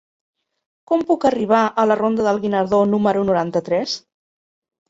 Com puc arribar a la ronda del Guinardó número noranta-tres?